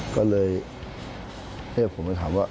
ก็เลยเรียกผมไปถามว่า